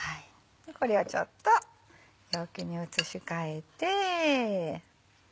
これをちょっと容器に移し替えて。